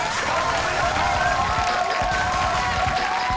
お見事！］